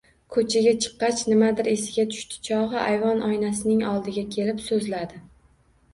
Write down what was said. Ko`chaga chiqqach, nimadir esiga tushdi chog`i, ayvon oynasining oldiga kelib so`zladi